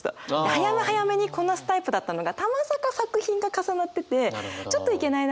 早め早めにこなすタイプだったのがたまたま作品が重なっててちょっと行けないな